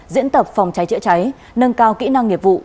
diễn tập phòng cháy chữa cháy nâng cao kỹ năng nghiệp vụ